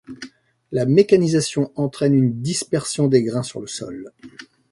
La mécanisation entraîne une dispersion des grains sur le sol.